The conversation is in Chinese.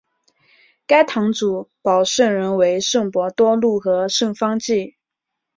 该堂主保圣人为圣伯多禄和圣方济。